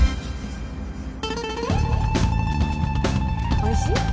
おいしい？